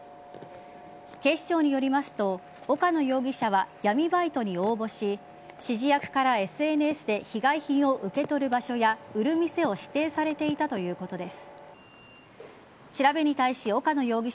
警視庁によりますと岡野容疑者は闇バイトに応募し指示役からＳＮＳで被害品を受け取る場所や売る店を指定されていたということです。